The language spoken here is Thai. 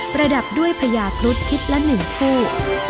ระดับด้วยพญาครุฑทิศละ๑คู่